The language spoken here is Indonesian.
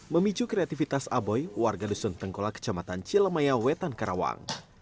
memicu kreativitas aboy warga dusun tengkola kecamatan cilemaya wetan karawang